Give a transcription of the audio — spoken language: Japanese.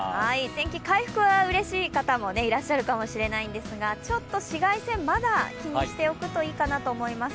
天気、回復はうれしい方もいらっしゃるかもしれないんですがちょっと紫外線、まだ気にしておくといいかなと思います。